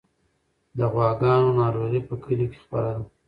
د غواګانو ناروغي په کلي کې خپره ده.